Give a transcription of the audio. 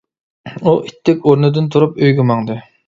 ئۇ ئىتتىك ئورنىدىن تۇرۇپ ئۆيىگە ماڭدى.